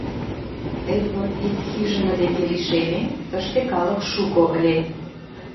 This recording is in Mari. Эдвард ик хижине деке лишеме, тыште калык шуко ыле.